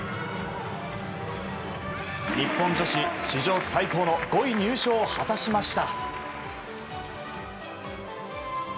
日本女子史上最高の５位入賞を果たしました。